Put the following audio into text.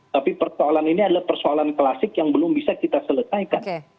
tapi persoalan ini adalah persoalan klasik yang belum bisa kita selesaikan